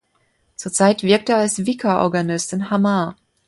Zurzeit wirkt er als "Vicar Organist" in Hamar.